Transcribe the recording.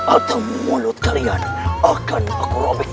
atau mulut kalian akan aku robek robek